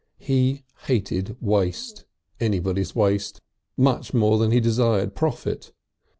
He hated waste, anybody's waste, much more than he desired profit.